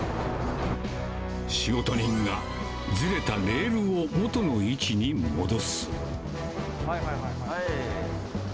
仕事人がずれたレールを元の位置に戻す。